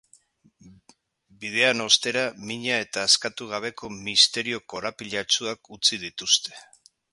Bidean ostera, mina eta askatu gabeko misterio korapilatsuak utzi dituzte.